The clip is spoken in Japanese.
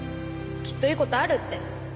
きっといい事あるって。